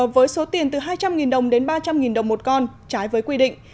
với số tiền từ hai trăm linh đồng đến ba trăm linh đồng một con trái với quy định